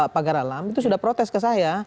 pagar alam itu sudah protes ke saya